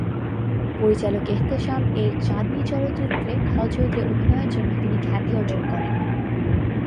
পরিচালক এহতেশাম-এর চাঁদনী চলচ্চিত্রে খল চরিত্রে অভিনয়ের জন্য তিনি খ্যাতি অর্জন করেন।